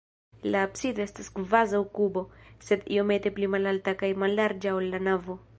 La absido estas kvazaŭ kubo, sed iomete pli malalta kaj mallarĝa, ol la navo.